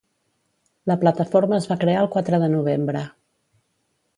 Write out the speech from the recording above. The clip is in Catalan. La plataforma es va crear el quatre de novembre